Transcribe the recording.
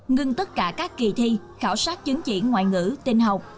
ngừng tất cả các kỳ thi khảo sát chứng chỉ ngoại ngữ tình học